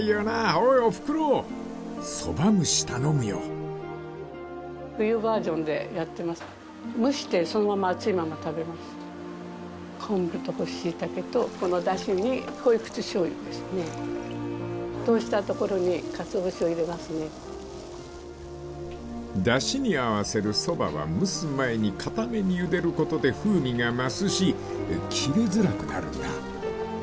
［おーいおふくろ蕎麦蒸し頼むよ］［だしに合わせるそばは蒸す前に固めにゆでることで風味が増すし切れづらくなるんだ］